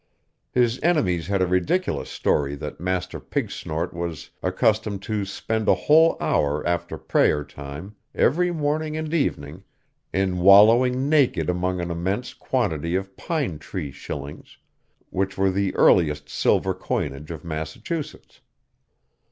His enemies had a ridiculous story that Master Pigsnort was accustomed to spend a whole hour after prayer time, every morning and evening, in wallowing naked among an immense quantity of pine tree shillings, which were the earliest silver coinage of Massachusetts.